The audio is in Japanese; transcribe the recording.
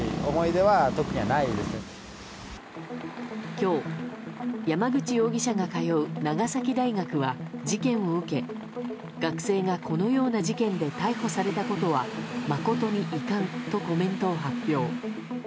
今日、山口容疑者が通う長崎大学は事件を受け学生がこのような事件で逮捕されたことは誠に遺憾とコメントを発表。